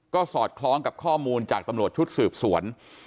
ก็สอดคล้องกับข้อมูลจากตำรวจชุดสืบสวน